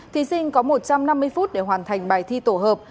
thí sinh có một trăm năm mươi phút để hoàn thành bài thi tổ hợp